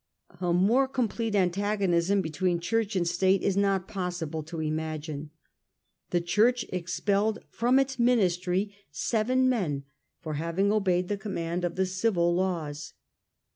A more complete antagonism between Church and State is not possible to imagine. The Church expelled from its mini stry seven men for having obeyed the command of the civil laws.